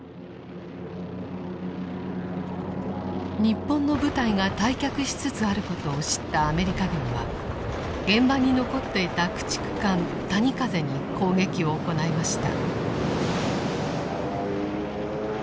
日本の部隊が退却しつつあることを知ったアメリカ軍は現場に残っていた駆逐艦「谷風」に攻撃を行いました。